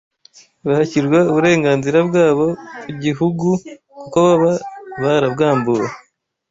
Bahakirwa uburenganzira bwabo ku gihugu kuko baba barabwambuwe